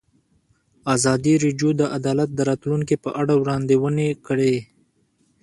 ازادي راډیو د عدالت د راتلونکې په اړه وړاندوینې کړې.